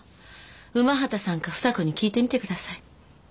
午端さんか房子に聞いてみてください。